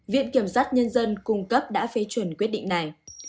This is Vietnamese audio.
viện kiểm sát nhân dân cung cấp đã phê chuẩn quyết định này